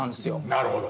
なるほど。